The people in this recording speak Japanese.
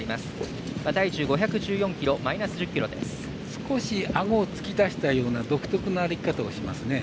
少しあごを突き出したような独特な歩き方をしますね。